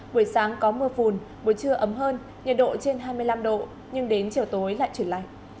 buổi sáng có mưa phùn buổi trưa ấm hơn nhiệt độ trên hai mươi năm độ nhưng đến chiều tối lại chuyển lạnh